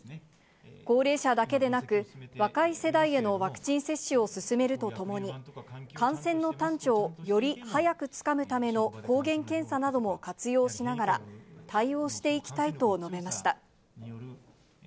高齢者だけでなく、若い世代へのワクチン接種を進めるとともに、感染の端緒をより早くつかむための抗原検査なども活用しながら、対応していきたいと述べました。